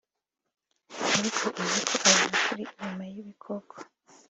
ariko uzi ko abantu turi inyuma y’ibikoko